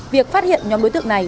việc phát hiện nhóm đối tượng này